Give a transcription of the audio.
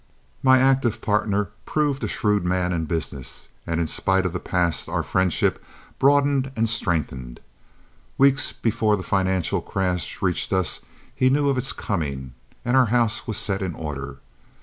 My active partner proved a shrewd man in business, and in spite of the past our friendship broadened and strengthened. Weeks before the financial crash reached us he knew of its coming, and our house was set in order.